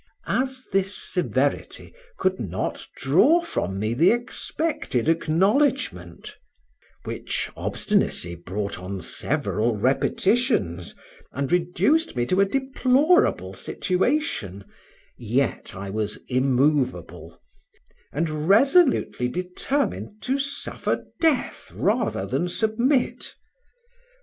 As this severity could not draw from me the expected acknowledgment, which obstinacy brought on several repetitions, and reduced me to a deplorable situation, yet I was immovable, and resolutely determined to suffer death rather than submit.